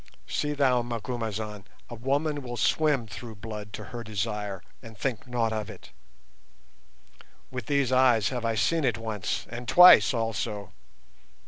See thou, Macumazahn, a woman will swim through blood to her desire, and think nought of it. With these eyes have I seen it once, and twice also.